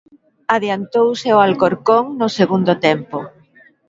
Adiantouse o Alcorcón no segundo tempo.